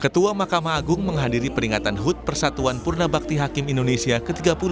ketua mahkamah agung menghadiri peringatan hut persatuan purna bakti hakim indonesia ke tiga puluh dua